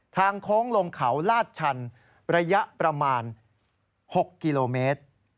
โค้งลงเขาลาดชันระยะประมาณ๖กิโลเมตร